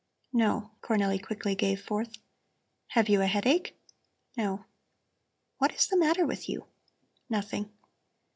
"No," Cornelli quickly gave forth. "Have you a headache?" "No." "What is the matter with you?" "Nothing."